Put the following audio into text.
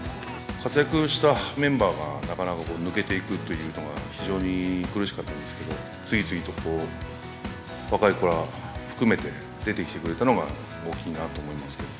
活躍したメンバーがなかなか、抜けていくというのが非常に苦しかったんですけど、次々と若い子ら含めて、出てきてくれたのが大きいなと思いますけど。